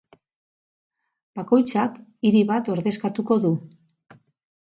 Bakoitzak hiri bat ordezkatuko du.